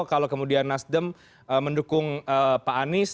kalau kemudian nasdem mendukung pak anies